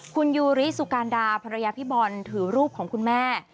คุณยูริสุการดาภรรยาพี่บอลถือรูปของคุณแม่